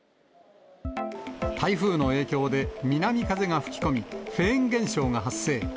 台風の影響で南風が吹き込み、フェーン現象が発生。